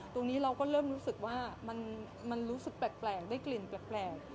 ตรงนี้เราก็เริ่มรู้สึกว่ามันรู้สึกแปลกได้กลิ่นแปลก